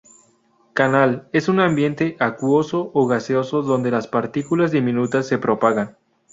Canal: es un ambiente acuoso o gaseoso donde las partículas diminutas se propagan.